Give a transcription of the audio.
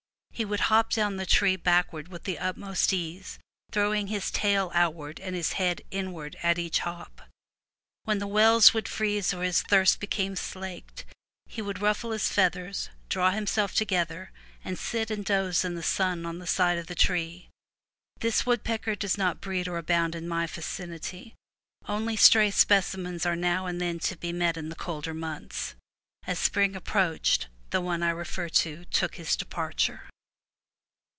He would hop down the tree backward with the utmost ease, throwing his tail outward and his head inward at each hop. When the wells would freeze or his thirst became slaked, he would ruffle his feathers, draw him self together, and sit and doze in the sun on the side of the tree. This woodpecker does not breed or abound in my vicinity; only stray specimens are now and then to be met in the colder months. As spring approached, the one I refer to took his departure.